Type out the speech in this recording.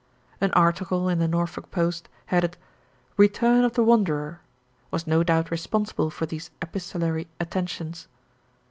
An article in The Norfolk Post headed "Return of the Wanderer" was no doubt responsible for these epistolary attentions.